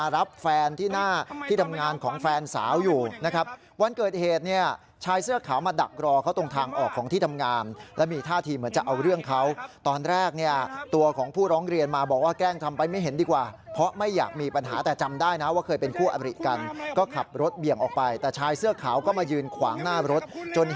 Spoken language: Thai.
รับแฟนที่หน้าที่ทำงานของแฟนสาวอยู่นะครับวันเกิดเหตุเนี่ยชายเสื้อขาวมาดักรอเขาตรงทางออกของที่ทำงานและมีท่าทีเหมือนจะเอาเรื่องเขาตอนแรกเนี่ยตัวของผู้ร้องเรียนมาบอกว่าแกล้งทำไปไม่เห็นดีกว่าเพราะไม่อยากมีปัญหาแต่จำได้นะว่าเคยเป็นคู่อริกันก็ขับรถเบี่ยงออกไปแต่ชายเสื้อขาวก็มายืนขวางหน้ารถจน